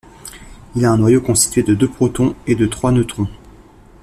Il a un noyau constitué de deux protons et de trois neutrons.